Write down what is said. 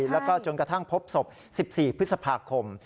แล้วก็จนกระทั่งพบศพ๑๔พฤษภาคม